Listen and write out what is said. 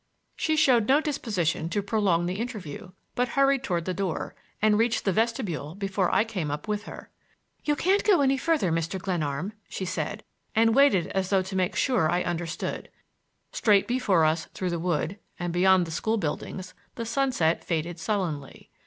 She showed no disposition to prolong the interview, but hurried toward the door, and reached the vestibule before I came up with her. "You can't go any further, Mr. Glenarm," she said, and waited as though to make sure I understood. Straight before us through the wood and beyond the school buildings the sunset faded sullenly.